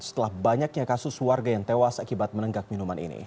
setelah banyaknya kasus warga yang tewas akibat menenggak minuman ini